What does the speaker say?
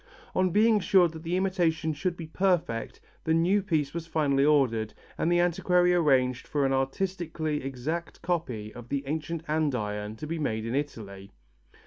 On being assured that the imitation should be perfect, the new piece was finally ordered and the antiquary arranged for an artistically exact copy of the ancient andiron to be made in Italy.